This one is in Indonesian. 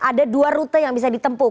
ada dua rute yang bisa ditempuh